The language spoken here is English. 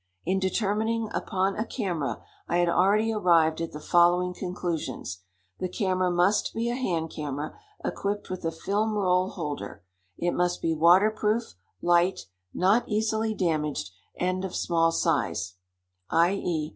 In determining upon a camera, I had already arrived at the following conclusions: the camera must be a hand camera, equipped with a film roll holder; it must be water proof, light, not easily damaged, and of small size _i.e.